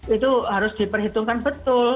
itu harus diperhitungkan betul